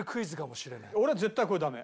俺は絶対これダメ。